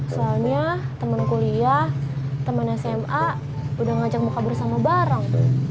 soalnya temen kuliah temen sma udah ngajak mau kabur sama bareng